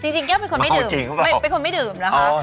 จริงแก้วเป็นคนไม่ดื่ม